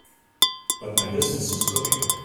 But my business is cooking.